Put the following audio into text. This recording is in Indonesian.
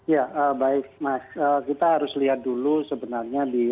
ya baik mas kita harus lihat dulu sebenarnya